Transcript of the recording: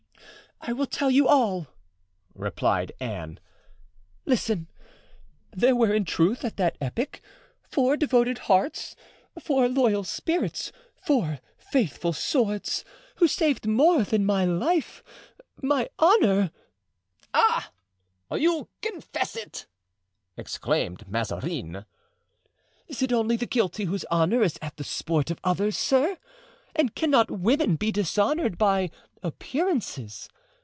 "I will tell you all," replied Anne. "Listen: there were in truth, at that epoch, four devoted hearts, four loyal spirits, four faithful swords, who saved more than my life—my honor——" "Ah! you confess it!" exclaimed Mazarin. "Is it only the guilty whose honor is at the sport of others, sir? and cannot women be dishonored by appearances?